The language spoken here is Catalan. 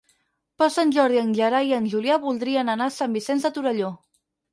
Per Sant Jordi en Gerai i en Julià voldrien anar a Sant Vicenç de Torelló.